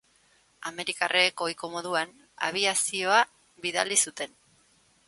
Amerikarrek ohiko moduan, abiazioa bidali zuten.